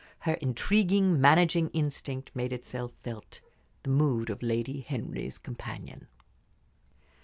Her intriguing, managing instinct made itself felt the mood of Lady Henry's companion.